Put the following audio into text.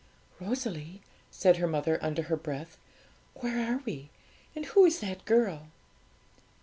'Rosalie,' said her mother, under her breath, 'where are we, and who is that girl?'